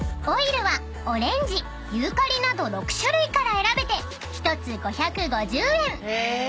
［オイルはオレンジユーカリなど６種類から選べて１つ５５０円］